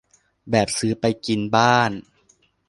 แบบซื้อไปกินบ้าน